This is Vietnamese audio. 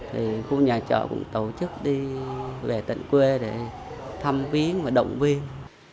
thì khu nhà trọ cũng tổ chức đi về tận quê để thăm viến và động viên